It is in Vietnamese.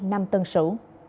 năm tân sủ